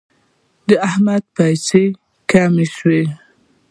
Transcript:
د احمد پیسې کمې شوې.